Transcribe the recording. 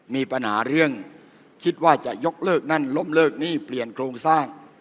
มีปัญหาเรื่องคิดว่าจะยกเลิกนั่นล้มเลิกหนี้เปลี่ยนโครงสร้าง